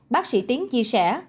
bác sĩ tiến chia sẻ